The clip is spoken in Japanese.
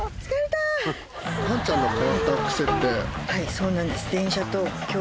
そうなんです。